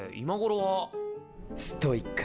ストイック。